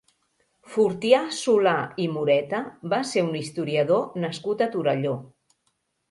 Fortià Solà i Moreta va ser un historiador nascut a Torelló.